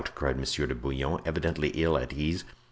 cried Monsieur de Bouillon, evidently ill at ease.